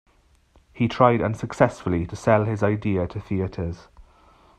He tried unsuccessfully to sell his idea to theatres.